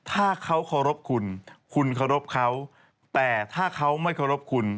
ถ้าเขาเคารพคุณคุณเคารพเขาแต่ถ้าเขาไม่เคารพคุณ